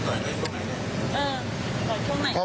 ก็ต่อยคุณไหน